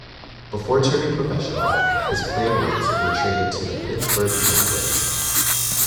Before turning professional, his playing rights were traded to the Pittsburgh Penguins.